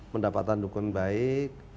mendapatkan dukungan baik